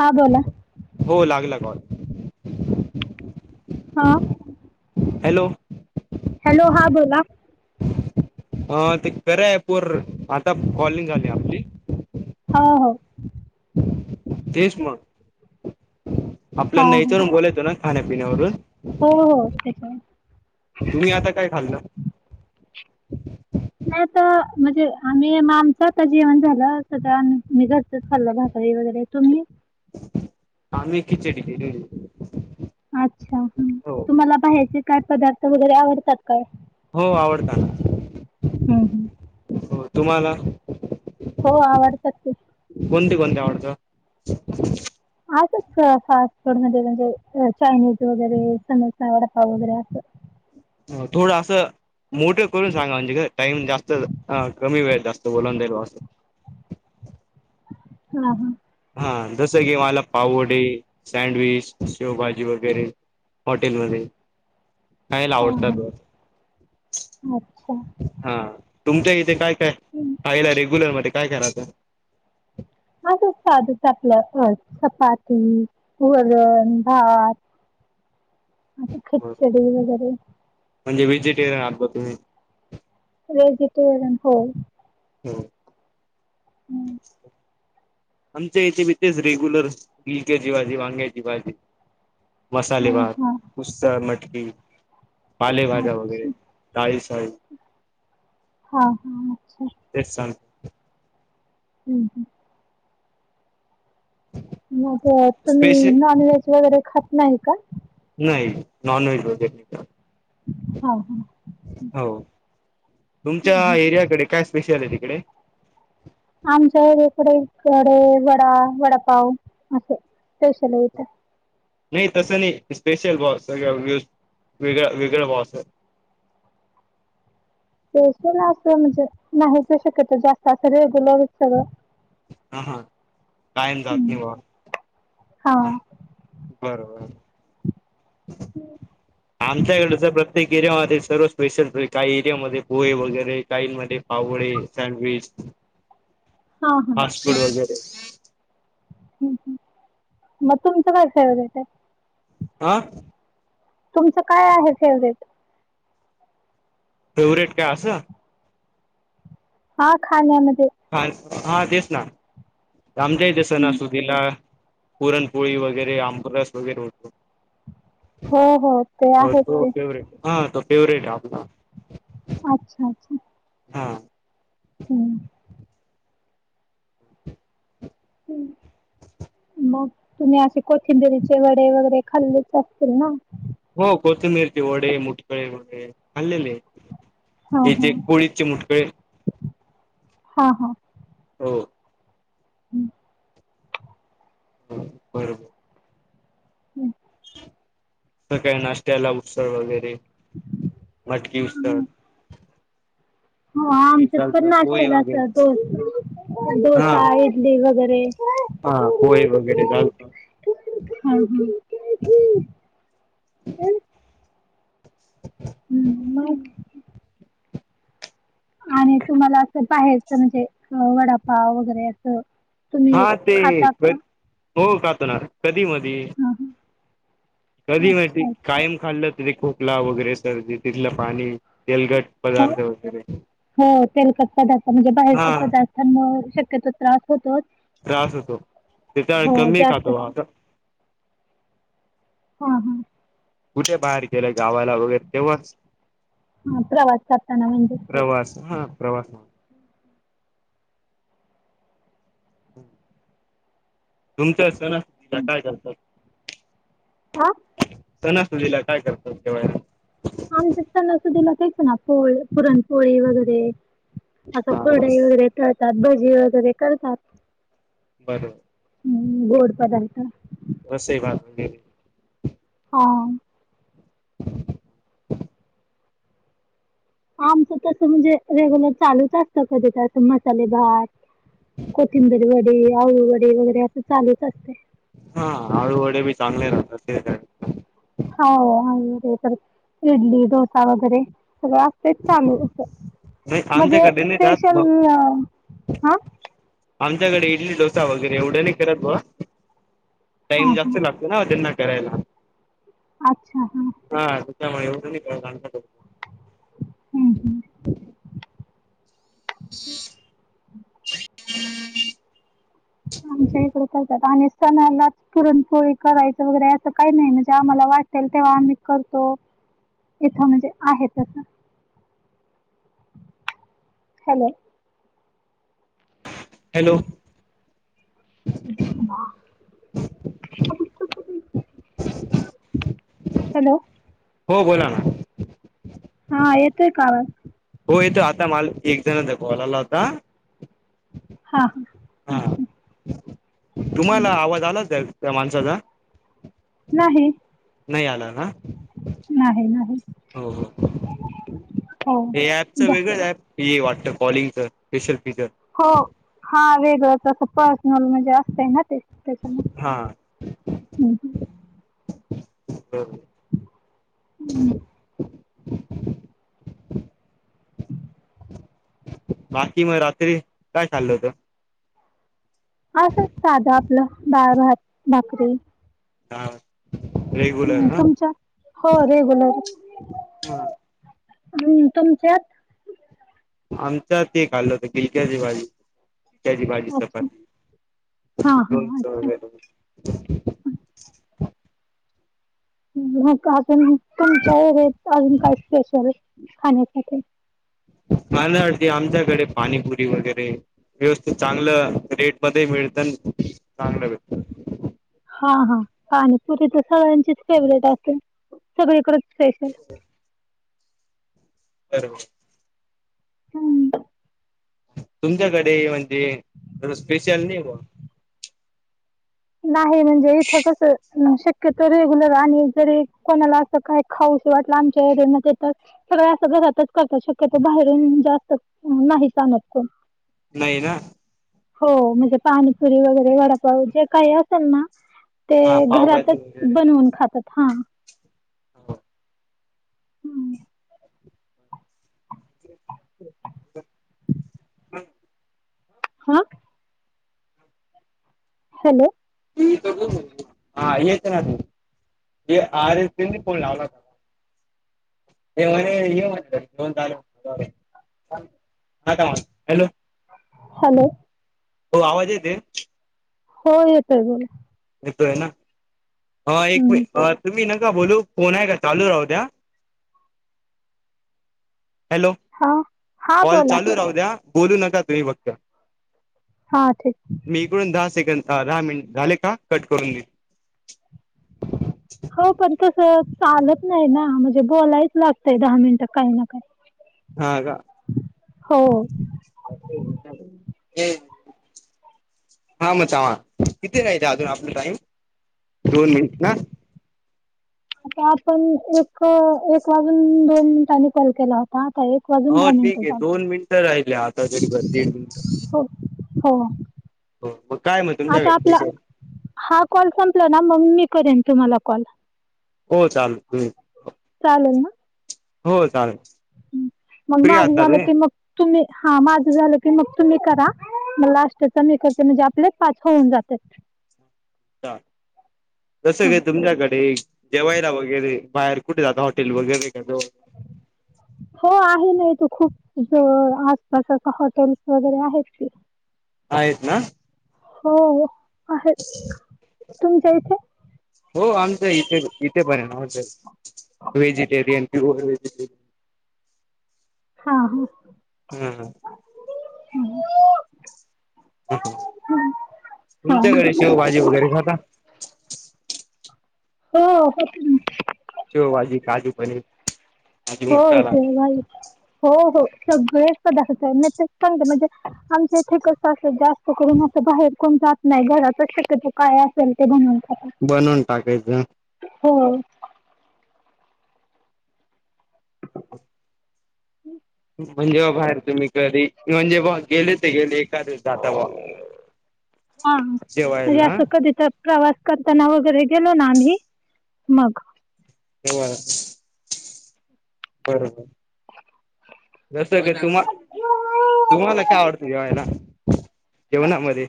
हा बोला हो लागला कॉल. ह. हॅलो. हॅलो हां बोला. अ ते कार्या ॲप वर आता कॉलिंग आली आपली. हो हो देश म. आपल्या हा नाही हा तर बोलाेतो ना खाण्यापिण्यावरून हो हो त्याच्यावर तुम्ही आता काय खाल आ म्हणजे आम्हीग आमच आ जेवण झालं स आ मी घरचच खाल्लं भाकरी वगैरे, तुम्ही? आम्ही खिचडी केली होती. अच्छा हम्म हो तुम्हाला बाहेरचे काय पदार्थ वगैरे आवडतात. काय हो आवडताना हम्म हम्म हो तुम्हाला? हो आवडतात ते. कोणते कोणते आवडतं. असंच फास्ट फूड मध्ये म्हणजे चायनीज वगैरे समोसा, वडपा वगैरे असं. थोड असं मोठं करून सांगा म्हणजे का टाईम जास्त कमी वेळेत जास्त बोलावून जाईल आस. [inaudible] हा हा! हा जसं की मला पावडे, सँडविच, शिवभाजी वगैरे हॉटेलमध्ये खायला हा आवडत त हा रोज, अच्छा हा. तुमच्या इथे काय काय हं. खायला रेग्युलर मध्ये काय काय राहत? साध आपलं चपाती, वरण, भात [inaudible] अस खिचडी वगैरे म्हणजे व्हेजिटेरियन आहात का तुम्ही? वेजिटेरियन हो. हो. हम्म! आमच्या इथे बी तेच रेग्युलर बीलक्याची भाजी, वांग्याची बाजी हा मसालेभार, हा उस्त, मटकी पालेभाजा अच्छा वगैरे डाळी ची [unintelligible] हा हा अच्छा. सांगतो हम्म हम्! मग तुम्ही स्पेशल नॉन व्हेज वगैरे खात नाही का? नाॉनवेज [unintelligible] हा हा. हो! तुमच्या हम्म एरियाकडे काय स्पेशल आहे तिकडे? आमच्या एरिया कडे वडा, वडापाव अस स्पेशल येत. नाही तसं नाही स्पेशल बाऊ सगळ्यू वेगळा वेगळा बाऊ आस! [inaudible] स्पेल्सियल अस म्हणजे नाहीच शक्यत जास्त असं रेग्युलर सगळ. हा हा कायम जात हम्म नाही बा हा ह बरोबर. आमच्याकडच प्रत्येक एरीया मध्ये सर्व स्पेशल काही एरियामध्ये पोहे वगैरे काही मध्ये पावळे सँडविच [inaudible] हा हा फास्पूड वगैरे. हम् ह मग तुमचं काय फेवरेट हाय? आ! तुमचं काय आहे फेवरेट? फेवरेट काय असं? हा खाण्या मध्ये? हा हा देस ना आमच्या हित सना हं. सुदीला पुरणपोळी वगैरे आमबरस वगैरे होतो. हो हो ते आहेत तो ते फेवरेट, हा फेवरेट आपला. अच्छा अच्छा! हा! हम्म हम्म! मग तुम्ही असे कोथिंबिरीचे वडे वगैरे खाल्ले असतील ना? हो कोथंबीरची ओडे मुटकळे वगैरे खाल्लेले आहेत. हा हा येथे कोळीचे मुटकळे हा हा. हो. हम्म. हो बरोबर. हम्म सकाळी नाष्टयाला उसळ वगैरे मटकी उसळ हा हे आमच्यात पण चालतं पोहे नाष्टयाला असं वगैरे डोसा हा डोसा इडली वगैरे हा पोहे वगैरे चालत हा हा. हम्म मग? आणि तुम्हाला असं बाहेरच म्हणजे वडापाव वगैरे असं हा तुम्ही ते खाता का हो खातोना कधी मधे हा हा कधी मधे अच्छा अच्छा कायम खाल्लं तिथे खोकला वगैरे सर्दी तिथलं पाणी तेलगट हो पदार्थ वगैरे तेलक पदार्थ म्हणजे हा बाहेरच्या पदार्थांवर शक्यतो त्रास होतोच. त्रास होतो त्याच्या हो कमी जास्त खातो असं हां हा हा. कुठे बाहेर गेलं गावाला वगैरे तेव्हाच हां प्रवास करताना म्हणजे प्रवास हा प्रवास हम्म. तुमचं [inaudible] असं ना ति काय चालतात आ? सणा सुदीला काय करतात जेवायला? आमच्या सणासुदीला काहीपण ना पोळ्या पुरणपोळी वगैरे असं हा खुरडई रस वगैरे तळतात भजी वगैरे करतात. बरं. हम्म गोड पदार्थ बस स बाात [unintelligible] हा. आमचं तसं म्हणजे रेग्युलर चालूच असतं कधी तर मसाले भात कोथिंबीर वडी आळूवडी वगैरे असं चालूच असतें. हा आळूवडे बी चांगले राहतात ते हो तर इडली डोसा वगैरे सगळं असतेच चालू असं म्हणजे आमच्याकडे नाही जात मग स्पेशल हा आमच्याकडे इडली डोसा वगैरे एवढं नाही करत बुआ हा टाईम जास्त हा लागतो ना त्यांना करायला. अच्छा हा. ह मग एवढं नाही करणार हम्म हम्म. आमच्या इकडं करतातं. सणालाच पुरणपोळी करायचं वगैरे असं काही नाही म्हणजे आम्हाला वाटेल तेव्हा आम्ही करतो. इथं म्हणजे आहे तसं. हॅलो. हॅलो. ह हॅलो हो बोला ना हा येत का आवाज हो येतो आता मला एक जणचा कॉल आला आता हा हा हा अच्छा तुम्हाला आवाज आलाच दल का माणसाचा नाही नाही आला ना नाही नाही हो हो हो हे ऍपच जा वेगळं ऍप हे वाट कॉलिंगच स्पेशल फीचर हो हा वेगळं तसं पन म्हणे जास्त आहे ना ते त्याच्यान् हा बब हम्म. [unintelligible] बाकी मग रात्री काय चाललं होत? असं साधा आपलं डाळभात भाकरी ह हम् तुमच्या हो रेगुलर हा हम् तुमच्यात आमचा ते खल्लं होत पिलक्याची भाजी पिलक्याची भाजी अच्छा. हा चपाती हा लोनच अच्छा. वगैर म अजून तुमच्या अजून काय स्पेशल खाण्यासाठी मला अटती आमच्याकडे पाणीपुरी वगैरे व्यवस्थित चांगलं रेट मध्ये मिळत चांगलं भेटतं हा हा पाणीपुरी तर सगळ्यांचीच फेवरेट असते. सगळीकडच स्पेशल अर ह तुमच्याकडे म्हणजे स्पेशल नाही. नाही म्हणजे इथं कसं शक रेग्युलर आणि जरी कोणाला असं काय खाऊ श वाटलं आमच्या सगळ ता शक्यतो बाहेरून जास्त नाहीच आणत कोण. नाही ना हो, म्हणजे पाणीपुरी वगैरे वडापाव जे काही असेल ना ते हा पावभाजी घरातच बनवून खातात हा हो ह हा हॅलो हा येत ना त आर एस फोन लावला हे म्हणे ये येेऊन चालू आता म हॅलो हॅलो हो आवाज येते. हो येतोय. होय येतोय ना एक हम्म तुम्ही नका बोलू फोन आहे का चालू राहू द्या. हॅलो हा हा कॉल बोला चालू राहू द्या बोलू नका तुम्ही फक्त हा ठीक मी इकडून दहा सेकंद हा दहा मिनट झाले का? कट करून दे हो, पण तस चालत नाही ना म्हणजे बोलायचं लागतय दहा मिनिटं काही ना काही हा का हो. [unintelligible] हा मग चावा कितीे हाईत त अजून आपला टाईम दोन मिनिट ना. आता आपण एक एक वाजून दोन मिनिटांनी कॉल केला होता. आता एक वाजून हो दहा मिनिटं ठीकये झाले दोन मिनटं राहिले आता जरी ब दीड मिनिट हो हो. हो मग काय मग आता तुमच्याकडे आपला हा कॉल संपला ना म मी करीन तुम्हाला कॉल. हो चाल चालेल ना. मग फ्री माझं आहात ना झालं तुम्ही की मग तुम्ही हा माझं झालं की मग तुम्ही करा म लास्टचा मी करते म्हणजे आपले पाच होऊन जात्यात. चार जस की तुमच्याकडे जेवायला वगैरे बाहेर कुठे जाता हॉटेल वगैरे का जवळ हो आहे ना त खूप ज आसपास अस हॉटेल्स वगैरे आहेत की, आहेत ना. हो. आहेत तुमच्या इथे हो आमच इथे बी इ थे पण हाय ना हॉटेल व्हेजिटेरियन प्युअरव्हेजिटरियनं. हा ह हं हा हं हा तुमच्याकडे हो शेवभाजी वगैरे खाता. हो होते ना. शेव भाजी, काजू पनीर काजू हो मसाला शेवभाजी हो हो सगळेच पदार्थ [unintelligible] म्हणजे आमच्या इथे कस अस जास्त करून असं बाहेर- कोण जात नाही घराचा शक्यतो काय असेल ते बनवून खातात बनून टाकायच. हो. म्हणजे बा बाहेर तुम्ही कधी म्हणजे बुआ गेले त गेले एका दिवस जाता बुआ. [unintelligible] हा म्हणजे असं कधी तर प्रवास करताना वगै गेलो ना आम्ही मग तेव्हा बरोबर. जसं की तुम्हा तुम्हाला काय आवडत जेवायला जेवणामध्ये